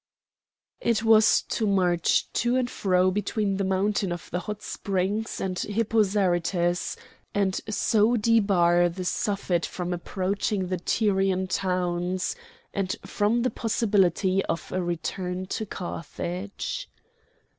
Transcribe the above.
It was to march to and fro between the mountain of the Hot Springs and Hippo Zarytus, and so debar the Suffet from approaching the Tyrian towns, and from the possibility of a return to Carthage.